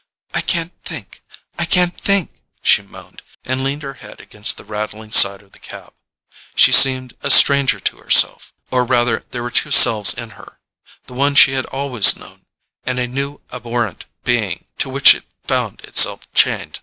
"I can't think—I can't think," she moaned, and leaned her head against the rattling side of the cab. She seemed a stranger to herself, or rather there were two selves in her, the one she had always known, and a new abhorrent being to which it found itself chained.